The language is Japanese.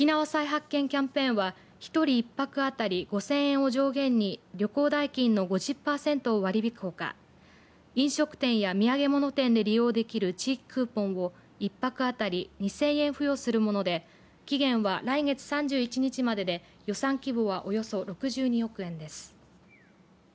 おきなわ彩発見キャンペーンは１人１泊当たり５０００円を上限に旅行代金の５０パーセントを割り引くほか飲食店や土産物店で利用できる地域クーポンを１泊当たり２０００円を付与するもので期限は来月３１日までで予算規模はおよそ６２億円です。